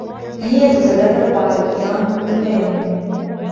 هي تتدرب على البيانو كل يوم.